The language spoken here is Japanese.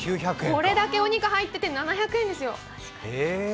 これだけお肉入ってて７００円ですよ。